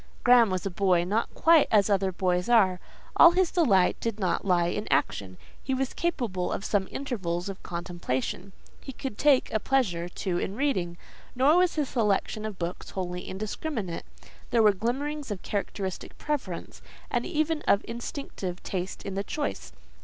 Graham was a boy not quite as other boys are; all his delight did not lie in action: he was capable of some intervals of contemplation; he could take a pleasure too in reading, nor was his selection of books wholly indiscriminate: there were glimmerings of characteristic preference, and even of instinctive taste in the choice.